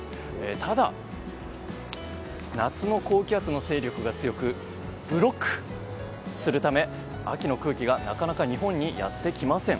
ただ、夏の高気圧の勢力が強くブロックするため秋の空気がなかなか日本にやってきません。